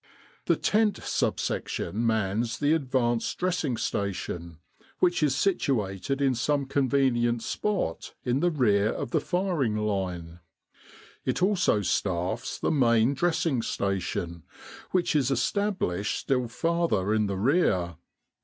The Tent Sub section mans the Advanced Dressing Station, which is situated in some conveni ent spot in the rear of the firing line. It also staffs the Main Dressing Station, which is established still farther in the rear.